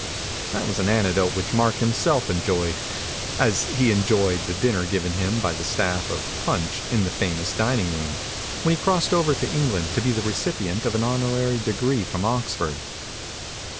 That was an anecdote which Mark himself enjoyed, as he enjoyed the dinner given him by the staff of Punch in the famous dining room, when he crossed over to England to be the re 288 MEMORIES OF MARK TWAIN cipient of an honorary degree from Oxford.